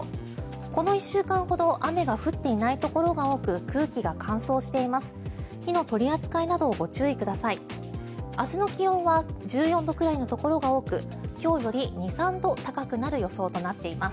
この１週間ほど雨が降っていないところが多く空気が乾燥しています。